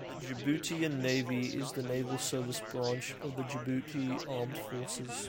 The Djiboutian Navy is the naval service branch of the Djibouti Armed Forces.